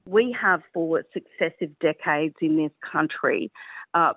kita memiliki empat dekade yang berkelanjutan di negara ini